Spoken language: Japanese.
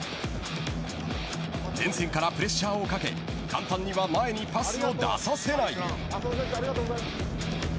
前線からプレッシャーをかけ簡単には前にパスを出させない。